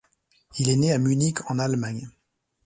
Il est né à Munich en Allemagne.